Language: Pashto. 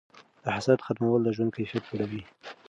د حسد ختمول د ژوند کیفیت لوړوي.